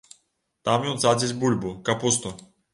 Там ён садзіць бульбу, капусту.